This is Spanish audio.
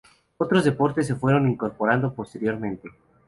Otros deportes se fueron incorporando posteriormente.